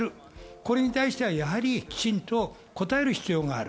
これに対してはやはり、きちんと答える必要がある。